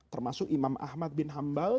termasuk imam ahmad bin hambal